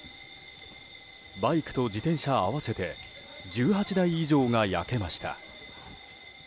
バイクと自転車合わせて１８台以上が焼けました。